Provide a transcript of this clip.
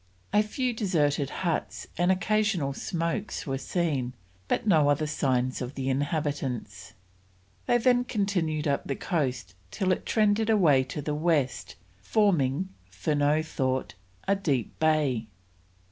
A few deserted huts and occasional smokes were seen, but no other signs of the inhabitants. They then continued up the coast till it trended away to the west, forming, Furneaux thought, a deep bay.